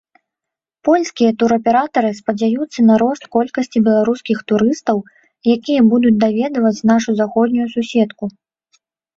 Польскія тураператары спадзяюцца на рост колькасці беларускіх турыстаў, якія будуць наведваць нашу заходнюю суседку.